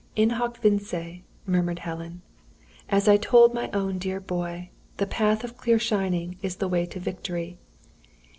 "In hoc vince!" murmured Helen. "As I told my own dear boy, the path of clear shining is the way to victory.